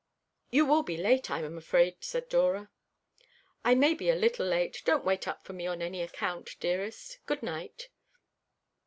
"You will be late, I am afraid," said Dora. "I may be a little late. Don't wait up for me on any account, dearest. Goodnight!"